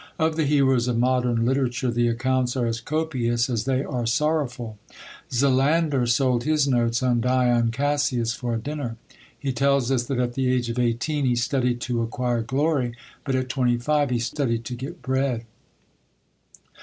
Of the heroes of modern literature the accounts are as copious as they are sorrowful. Xylander sold his notes on Dion Cassius for a dinner. He tells us that at the age of eighteen he studied to acquire glory, but at twenty five he studied to get bread.